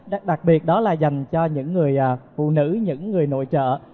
đặc biệt đó là dành cho những người phụ nữ những người nội trợ